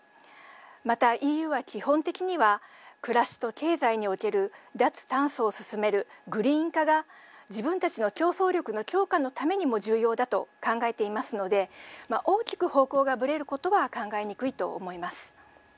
また、ＥＵは基本的には暮らしと経済における脱炭素を進めるグリーン化が自分たちの競争力の強化のためにも重要だと考えていますのでまあ、大きく方向がぶれることは考えにくいと思います。